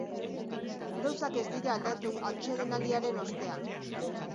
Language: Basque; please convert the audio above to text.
Gauzak ez dira aldatu atsedenaldiaren ostean.